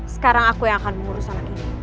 sekarang aku yang akan mengurus anak ini